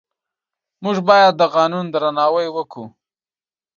موږ باید د قانون درناوی وکړو.